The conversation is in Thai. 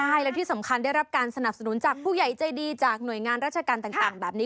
ใช่แล้วที่สำคัญได้รับการสนับสนุนจากผู้ใหญ่ใจดีจากหน่วยงานราชการต่างแบบนี้